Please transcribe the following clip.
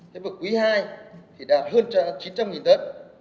thế mà quý ii thì đạt hơn chín trăm linh nghìn tấn